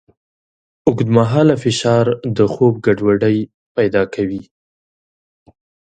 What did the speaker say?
اوږدمهاله فشار د خوب ګډوډۍ پیدا کوي.